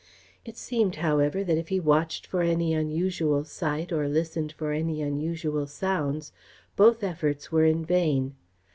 It seemed, however, that if he watched for any unusual sight or listened for any unusual sounds, both efforts were in vain.